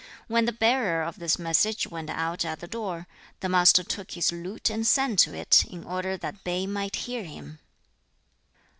When the bearer of this message went out at the door, (the Master) took his lute and sang to it, in order that Pei might hear him.